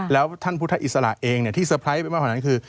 แล้วท่านพุทธศาสตร์อิสระเองที่สะพ้ายไปมาก่อนนั้นคือ